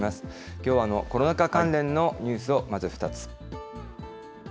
きょうはコロナ禍関連のニュースをまず２つ。